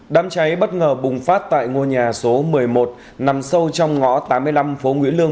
đám cháy bất ngờ bùng phát tại ngôi nhà số một mươi một nằm sâu trong ngõ tám mươi năm phố nguyễn lương